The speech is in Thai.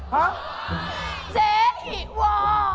ฮะเจ๊หิว่า